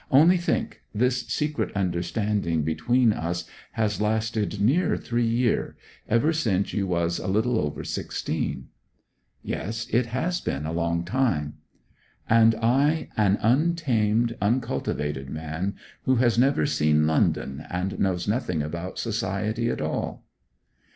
Only think, this secret understanding between us has lasted near three year, ever since you was a little over sixteen.' 'Yes; it has been a long time.' 'And I an untamed, uncultivated man, who has never seen London, and knows nothing about society at all.'